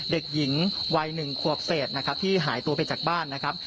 เด็กหญิงวัย๑ขวบเศษนะครับที่หายตัวไปจากบ้านนะครับ